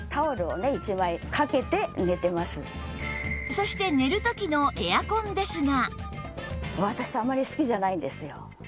そして寝る時のエアコンですが